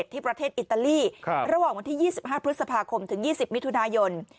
ที่ประเทศอิตาลีระหว่างวันที่๒๕พฤษภาคมถึง๒๐มิถุนายน